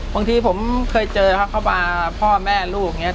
บางทีผมเคยเจอครับเขามาพ่อแม่ลูกอย่างนี้